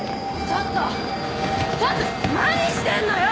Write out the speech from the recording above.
ちょっと何してんのよ！